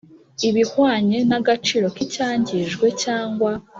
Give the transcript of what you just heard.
ibihwanye n agaciro k icyangijwe cyangwa